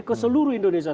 ke seluruh indonesia